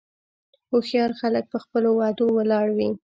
هوښیار خلک په خپلو وعدو ولاړ وي.